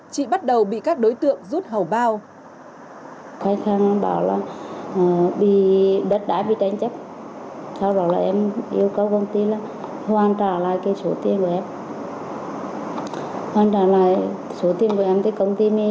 chị bắt đầu bị các đối tượng rút hầu bao